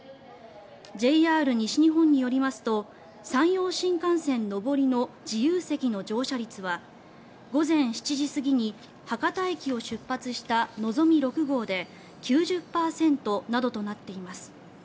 ＪＲ西日本によりますと山陽新幹線上りの自由席の乗車率は午前７時過ぎに博多駅を出発したのぞみ６号で９０％などとなっています。